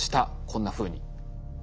こんなふうに。